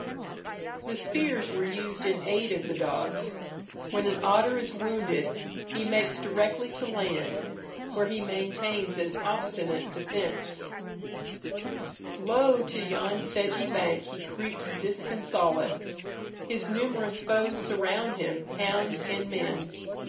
The spears were used in aid of the dogs. When an otter is wounded, he makes directly to land, where he maintains an obstinate defence: "Lo! to yon sedgy bank He creeps disconsolate; his numerous foes Surround him, hounds and men.